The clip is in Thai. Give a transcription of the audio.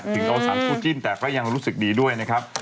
สงสารคู่จิ้นแต่ก็ยังรู้สึกดีด้วยนะครับ